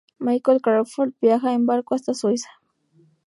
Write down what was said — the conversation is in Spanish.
Michael Crawford viaja en barco hasta Suiza.